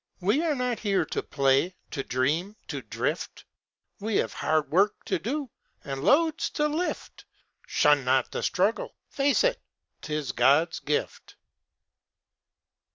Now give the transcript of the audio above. We are not here to play, to dream, to drift; We have hard work to do, and loads to lift; Shun not the struggle face it; 'tis God's gift.